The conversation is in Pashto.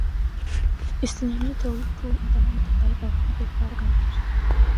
اسلامي دولت د ټولو انسانانو د هدایت او کامبابۍ له پاره کار کوي.